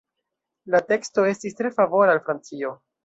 La teksto estis tre favora al Francio.